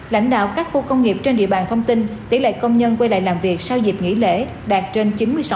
lãnh đạo các khu công nghiệp trên địa bàn thông tin tỷ lệ công nhân quay lại làm việc sau dịp nghỉ lễ đạt trên chín mươi sáu